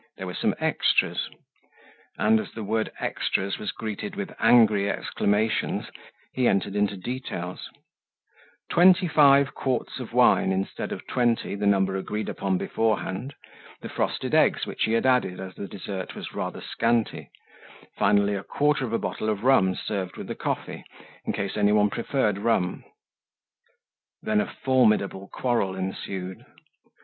There were some extras; and, as the word "extras" was greeted with angry exclamations, he entered into details:—Twenty five quarts of wine, instead of twenty, the number agreed upon beforehand; the frosted eggs, which he had added, as the dessert was rather scanty; finally, a quarter of a bottle of rum, served with the coffee, in case any one preferred rum. Then a formidable quarrel ensued.